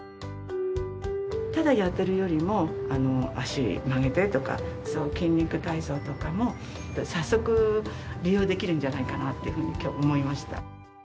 ただやってるよりも足曲げてとか筋肉体操とかも早速利用できるんじゃないかなっていうふうに今日思いました。